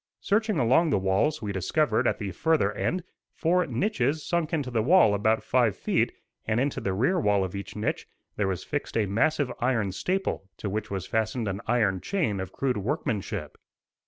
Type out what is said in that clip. Searching along the walls, we discovered, at the further end, four niches sunk into the wall about five feet, and into the rear wall of each niche, there was fixed a massive iron staple, to which was fastened an iron chain of crude workmanship.